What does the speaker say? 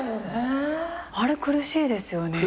あれ苦しいですよね。